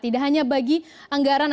tidak hanya bagi anggaran